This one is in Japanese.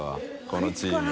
このチーム。